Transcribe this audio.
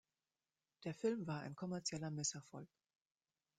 Der Film war ein kommerzieller Misserfolg.